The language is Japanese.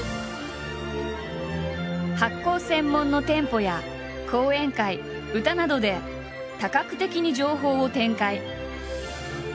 発酵専門の店舗や講演会歌などで多角的に情報を展開。